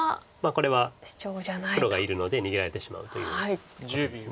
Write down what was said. これは黒がいるので逃げられてしまうということです。